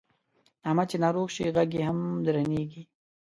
احمد چې ناروغ شي غږ یې هم درنېږي.